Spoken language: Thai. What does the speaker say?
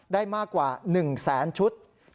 ได้มากกว่า๑แสนชุด